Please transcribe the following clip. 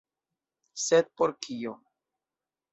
Sed por kio?